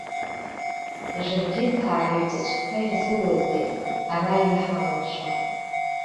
Жәыргьыҭаа рыҩҵәыҵәқәа ирзууазеи, ара аҩы ҳамамшәа.